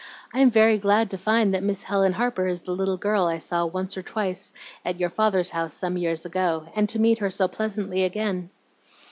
I am very glad to find that Miss Helen Harper is the little girl I saw once or twice at your father's house some years ago, and to meet her so pleasantly again.'